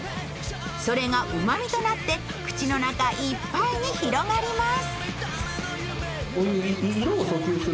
それが、うまみとなって口の中いっぱいに広がります。